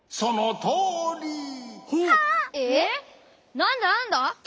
なんだなんだ？